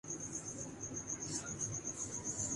اس گاڑی میں کوئی جگہ نہیں